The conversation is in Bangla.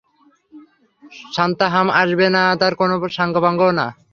সান্থানাম আসবে না তার কোনো সাঙ্গপাঙ্গও না।